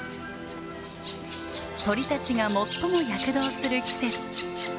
鳥たちが最も躍動する季節。